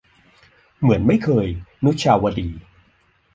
เหมือนไม่เคย - นุชาวดี